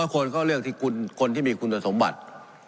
คนก็เลือกที่คนที่มีคุณสมบัติ